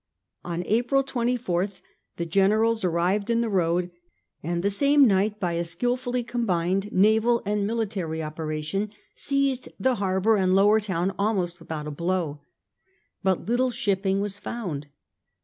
On April 24th the generals arrived in the road, and the same night by a skilfully combined naval and military operation seized the harbour and lower town almost Mdthout a blow. But little shipping was found.